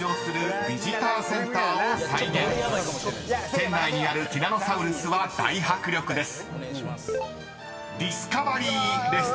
［店内にあるティラノサウルスは大迫力です］